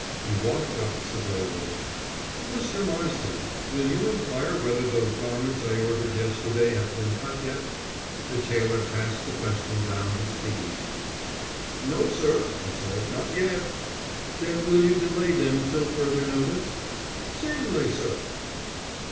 He walked up Savile Row. "Mr. Marsden, will you inquire whether those garments I ordered yesterday have been cut yet?" The tailor passed the question down his speaking tube. "No, sir," he said. "Not yet." "Then will you delay them till further notice?" "Certainly, sir."